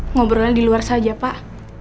ngobrolnya di luar saja pak